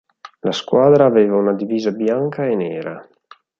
La squadra aveva una divisa bianca e nera.